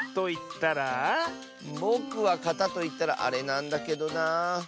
ぼくは「かた」といったらあれなんだけどなあ。